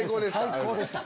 最高でした。